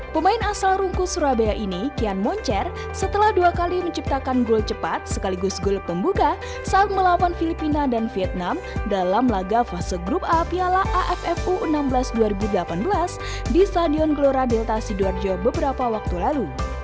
pemain asal rungkut surabaya ini kian moncer setelah dua kali menciptakan gol cepat sekaligus gol pembuka saat melawan filipina dan vietnam dalam laga fase grup a piala aff u enam belas dua ribu delapan belas di stadion glora delta sidoarjo beberapa waktu lalu